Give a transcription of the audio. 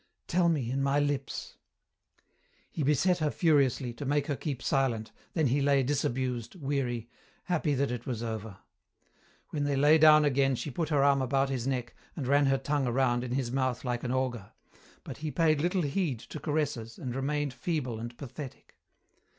"Tell me in my lips." He beset her furiously, to make her keep silent, then he lay disabused, weary, happy that it was over. When they lay down again she put her arm about his neck and ran her tongue around in his mouth like an auger, but he paid little heed to caresses and remained feeble and pathetic.